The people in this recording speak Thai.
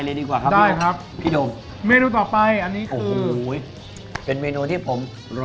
เลยดีกว่าครับได้ครับติดต่อเมนูต่อไปอันนี้เลยเป็นเมนูที่ผมรอ